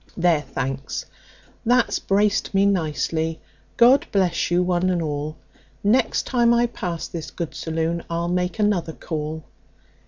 "There, thanks, that's braced me nicely; God bless you one and all; Next time I pass this good saloon I'll make another call.